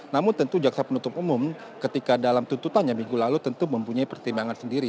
namun tentu jaksa penuntut umum ketika dalam tuntutannya minggu lalu tentu mempunyai pertimbangan sendiri